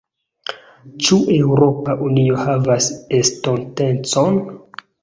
Ĉu Eŭropa Unio havas estontecon?